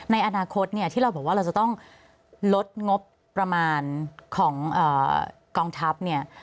ในอนาคตเนี่ยที่เราบอกว่าเราจะต้องลดงบประมาณของกองทัพเนี่ย